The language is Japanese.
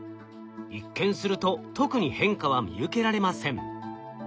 一見すると特に変化は見受けられません。